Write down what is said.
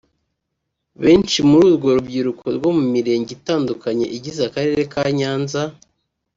Benshi muri urwo rubyiruko rwo mu mirenge itandukanye igize Akarere ka Nyanza